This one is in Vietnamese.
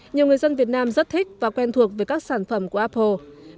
nhiều người dân việt nam rất thích và quen thuộc với các sản phẩm của apple